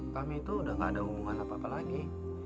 kami itu udah gak ada hubungan apa apa lagi